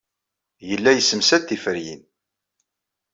Yella yessemsad tiferyin.